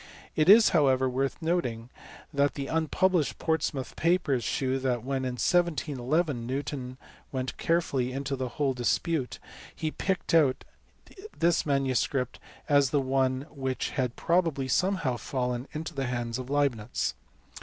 It is however worth noting that the unpublished Portsmouth papers shew that, when, in 1711, Newton went carefully into the whole dispute, he picked out this manuscript as the one which had probably somehow fallen into the hands of Leibnitz J.